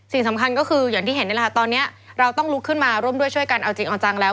สิ่งสำคัญก็คืออย่างที่เห็นนี่แหละค่ะตอนนี้เราต้องลุกขึ้นมาร่วมด้วยช่วยกันเอาจริงเอาจังแล้ว